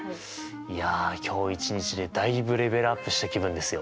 いや今日一日でだいぶレベルアップした気分ですよ。